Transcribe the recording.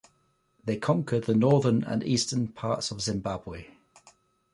They conquered the northern and eastern parts of Zimbabwe.